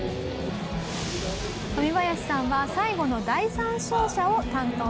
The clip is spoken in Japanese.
トミバヤシさんは最後の第３走者を担当します。